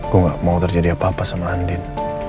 gue gak mau terjadi apa apa sama andin